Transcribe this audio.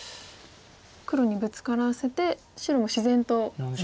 黒にブツカらせて白も自然と先手で。